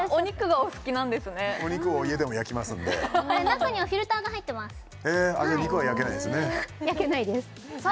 お肉を家でも焼きますんで中にはフィルターが入ってますへえ肉は焼けないですね